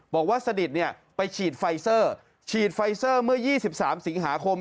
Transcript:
บอกว่าสนิทไปฉีดไฟเซอร์ฉีดไฟเซอร์เมื่อ๒๓สิงหาคม